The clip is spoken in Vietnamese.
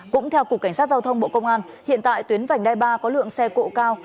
cũng theo cục cảnh sát giao thông bộ công an hiện tại tuyến vành đai ba có lượng xe cộ cao